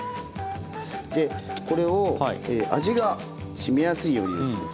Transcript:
でこれを味がしみやすいようにですね